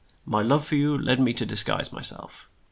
My love for you led me to dis guise my self.